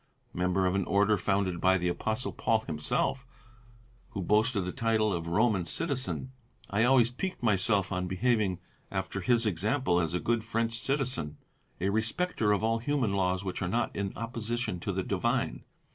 Member of an order founded by the Apostle Paul himself, who boasted the title of Roman citizen, I always piqued myself on behaving after his example as a good French citizen, a respecter of all human laws which are not in opposition to the Divine.